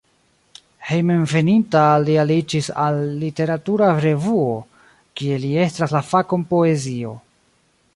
Hejmenveninta li aliĝis al literatura revuo, kie li estras la fakon poezio.